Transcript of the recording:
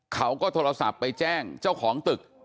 เขาก็โทรศัพท์ไปแจ้งเจ้าของตึก